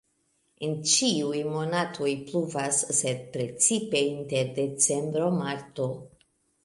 En ĉiuj monatoj pluvas, sed precipe inter decembro-marto.